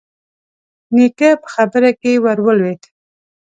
نيکه په خبره کې ور ولوېد: